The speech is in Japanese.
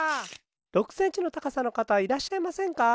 ６センチのたかさの方はいらっしゃいませんか？